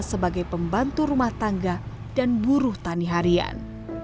sebagai pembantu rumah tangga dan buruh tani harian